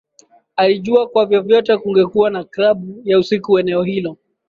Alijua kwa vyovyote kungekuwa na klabu ya usiku eneo hilo